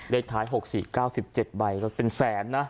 เลขท้าย๖๔๙๗ใบก็เป็นแสนนะ